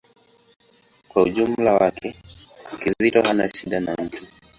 Kwa ujumla wake, Kizito hana shida na mtu.